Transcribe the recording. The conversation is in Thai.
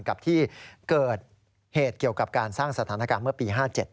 กับที่เกิดเหตุเกี่ยวกับการสร้างสถานการณ์เมื่อปี๕๗